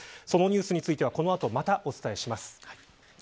そのニュースについてはこれからまたお伝えします。